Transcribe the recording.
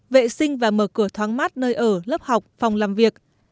vệ sinh và mở cửa thoáng mát nơi ở lớp học phòng làm việc